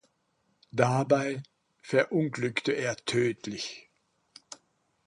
Dabei verunglückte er tödlich.